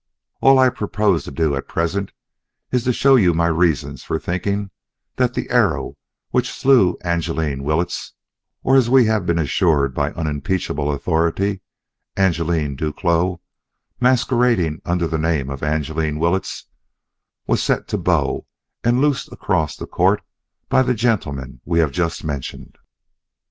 All I propose to do at present is to show you my reasons for thinking that the arrow which slew Angeline Willetts or, as we have been assured by unimpeachable authority, Angeline Duclos masquerading under the name of Angeline Willetts was set to bow and loosed across the court by the gentleman we have just mentioned."